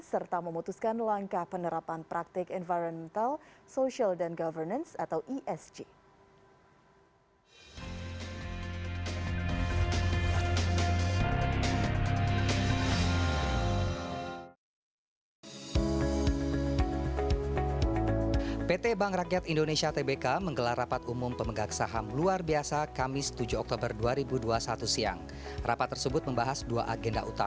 serta memutuskan langkah penerapan praktik environmental social dan governance atau esg